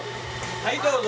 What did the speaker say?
はいどうぞ。